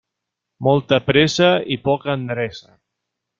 Molta pressa i poca endreça.